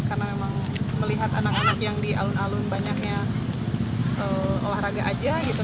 karena memang melihat anak anak yang di alun alun banyaknya warga aja gitu